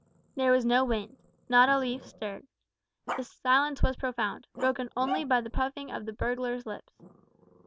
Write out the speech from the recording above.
There was no wind. Not a leaf stirred. The silence was profound broken only by the puffing of the burglar's lips.